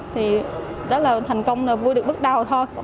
thì đó là thành công là vui được bước đầu thôi